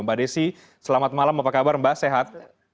mbak desi selamat malam apa kabar mbak sehat